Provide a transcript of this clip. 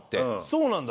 そうなんだ。